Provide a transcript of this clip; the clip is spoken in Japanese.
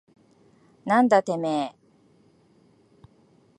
なんだてめえ。